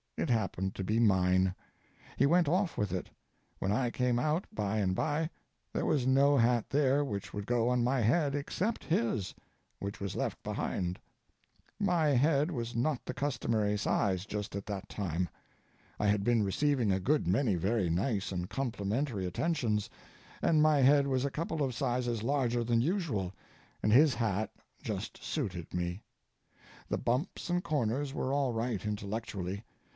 It happened to be mine. He went off with it. When I came out by and by there was no hat there which would go on my head except his, which was left behind. My head was not the customary size just at that time. I had been receiving a good many very nice and complimentary attentions, and my head was a couple of sizes larger than usual, and his hat just suited me. The bumps and corners were all right intellectually.